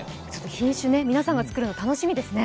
品種、皆さんが作るの楽しみですね。